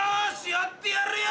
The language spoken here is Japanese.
やってやるよ！